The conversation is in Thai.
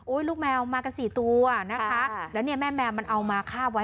ลูกแมวมากันสี่ตัวนะคะแล้วเนี่ยแม่แมวมันเอามาฆ่าไว้